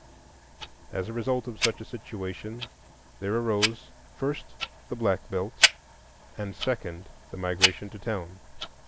As a result of such a situation, there arose, first, the Black Belt; and, second, the Migration to Town.